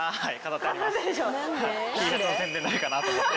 はい。